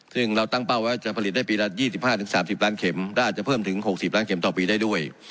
ซึ่งเราตั้งเป้าว่าจะผลิตได้ปีละ๒๕๓๐ล้านเข็มและอาจจะเพิ่มถึง๖๐ล้านเข็มต่อปีได้ด้วย